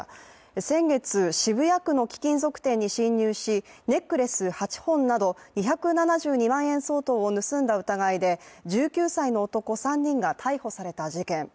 先月、渋谷区の貴金属店に侵入しネックレス８本など２７２万円相当を盗んだ疑いで１９歳の男３人が逮捕された事件。